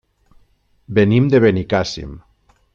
Venim de Benicàssim.